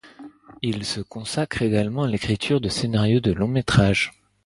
Il se consacre également à l’écriture de scénarios de longs métrages.